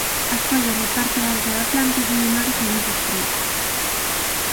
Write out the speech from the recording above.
As follas da parte alta da planta son menores e máis estreitas.